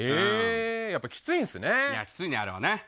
やっぱきついんですね。